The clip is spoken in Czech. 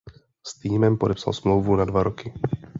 S týmem podepsal smlouvu na dva roky.